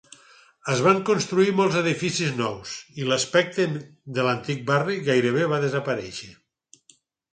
Es van construir molts edificis nous i l'aspecte de l'antic barri gairebé va desaparèixer.